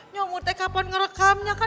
nyomut teh kapan ngerekamnya kan